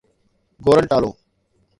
Gorontalo